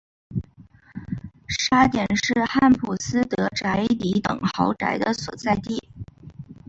沙点是汉普斯德宅邸等豪宅的所在地。